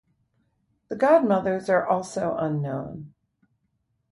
The godmothers are also unknown.